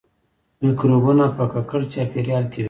مکروبونه په ککړ چاپیریال کې وي